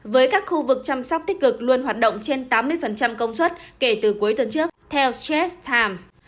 với các khu vực chăm sóc tích cực luôn hoạt động trên tám mươi công suất kể từ cuối tuần trước theo stress times